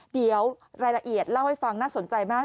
เดี๋ยวรายละเอียดเล่าให้ฟังน่าสนใจมาก